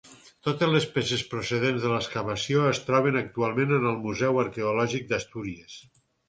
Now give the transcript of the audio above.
Totes les peces procedents de l'excavació es troben actualment en el Museu Arqueològic d'Astúries.